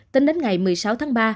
tính đến ngày một mươi sáu tháng ba